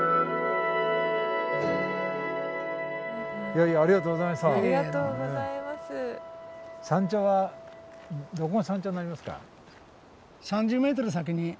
いやいやありがとうございました。